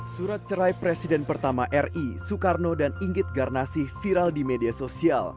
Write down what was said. surat cerai presiden pertama ri soekarno dan inggit garnasi viral di media sosial